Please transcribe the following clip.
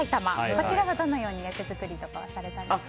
こちらはどのように役作りとかはされたんですか？